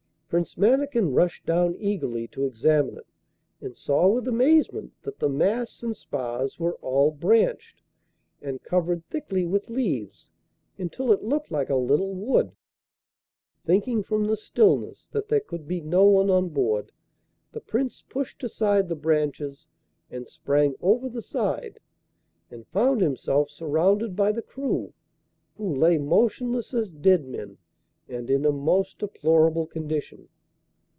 Prince Mannikin rushed down eagerly to examine it, and saw with amazement that the masts and spars were all branched, and covered thickly with leaves until it looked like a little wood. Thinking from the stillness that there could be no one on board, the Prince pushed aside the branches and sprang over the side, and found himself surrounded by the crew, who lay motionless as dead men and in a most deplorable condition.